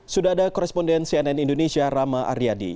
sudah ada koresponden cnn indonesia